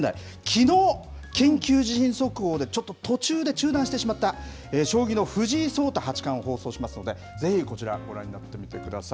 きのう、緊急地震速報でちょっと途中で中断してしまった、将棋の藤井聡太八冠を放送しますので、ぜひこちら、ご覧になってみてください。